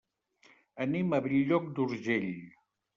Anem a Bell-lloc d'Urgell.